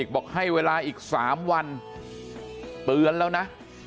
บอกให้เวลาอีก๓วันเตือนแล้วนะ